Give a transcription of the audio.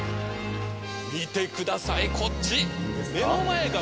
見てくださいこっち！